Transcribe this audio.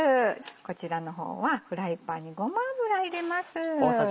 こちらの方はフライパンにごま油入れます。